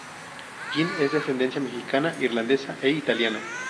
Quinn es de ascendencia mexicana, irlandesa e italiana.